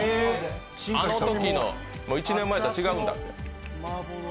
あのときの、１年前とは違うんだって。